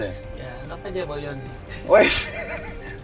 ya enak aja bau jalan